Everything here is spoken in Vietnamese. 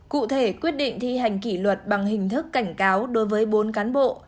cụ thể quyết định thi hành kỷ luật bằng hình thức cảnh cáo đối với bốn cán bộ